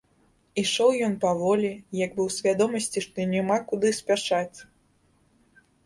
Ішоў ён паволі, як бы ў свядомасці, што няма куды спяшаць.